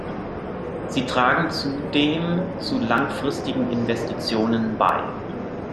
Sie tragen zudem zu langfristigen Investitionen bei.